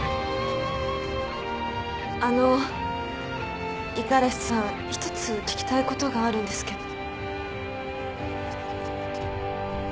あの五十嵐さん一つ聞きたいことがあるんですけど。